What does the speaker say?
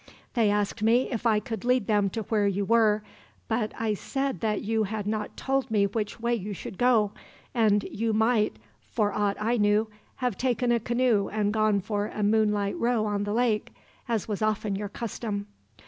They asked me if I could lead them to where you were; but I said that you had not told me which way you should go, and you might, for aught I knew, have taken a canoe and gone for a moonlight row on the lake, as was often your custom.